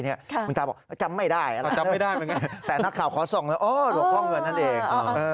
เนี่ยคุณตาบอกจำไม่ได้จำไม่ได้แต่นักข่าวขอส่งหลวงพ่อเงินนั่นเอง